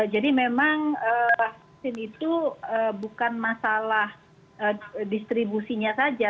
jadi memang vaksin itu bukan masalah distribusinya saja